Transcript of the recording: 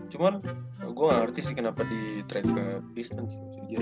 cuma gue gak ngerti kenapa di trade ke pistons